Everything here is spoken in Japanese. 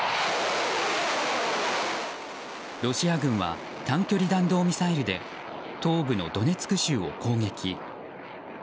ロシア軍は短距離弾道ミサイルで東部のドネツク州を攻撃。